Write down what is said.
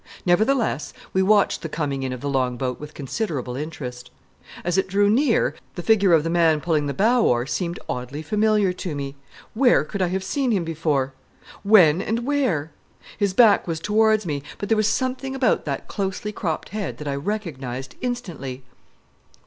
Nevertheless, we watched the coming in of the long boat with considerable interest. As it drew near, the figure of the man pulling the bow oar seemed oddly familiar to me. Where could I have seen him before? When and where? His back was towards me, but there was something about that closely cropped head that I recognized instantly.